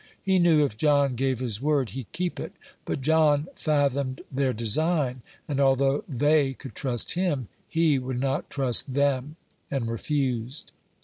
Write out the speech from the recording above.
He knew if John gave his word he'd keep it. But John fathomed their design; and although they could trust him, he would not trust them, and refused.